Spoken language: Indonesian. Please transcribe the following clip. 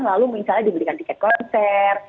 lalu misalnya dibelikan tiket konser